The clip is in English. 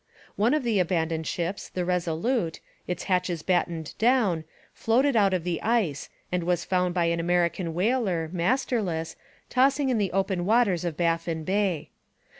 One of the abandoned ships, the Resolute, its hatches battened down, floated out of the ice, and was found by an American whaler, masterless, tossing in the open waters of Baffin Bay.